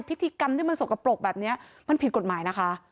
พิธีกรรมที่มันสกปรกแบบนี้มันผิดกฎหมายนะคะ